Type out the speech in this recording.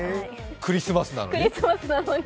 クリスマスなのに？